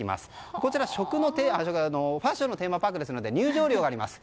こちら、ファッションのテーマパークですので入場料があります。